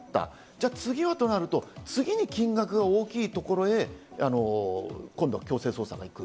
じゃあ次はとなると次に金額が大きい所へ、今度は強制捜査が行く。